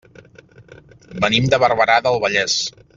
Venim de Barberà del Vallès.